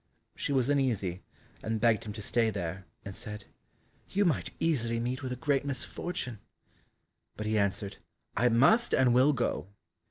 She was uneasy, and begged him to stay there, and said, "You might easily meet with a great misfortune," but he answered, "I must and will go."